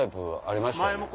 ありました。